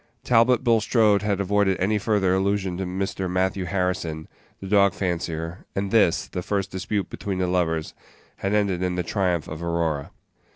Talbot Bulstrode had avoided any further Page 40 allusion to Mr. Matthew Harrison, the dog fancier, and this, the first dispute between the lovers, had ended in the triumph of Aurora.